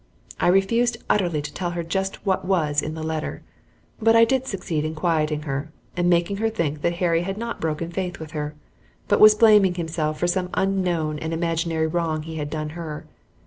I refused utterly to tell her just what was in the letter, but I did succeed in quieting her and making her think that Harry had not broken faith with her, but was blaming himself for some unknown and imaginary wrong he had done her.